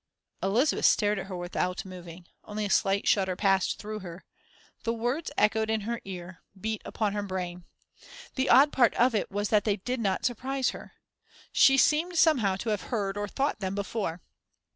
Elizabeth stared at her without moving; only a slight shudder passed through her. The words echoed in her ear, beat upon her brain. The odd part of it was that they did not surprise her. She seemed somehow to have heard, or thought them, before.